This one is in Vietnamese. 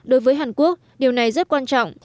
đối với hàn quốc điều này rất quan trọng